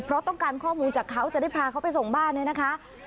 เพราะต้องการข้อมูลจากเขาจะได้พาเขาไปส่งบ้านเนี่ยนะคะ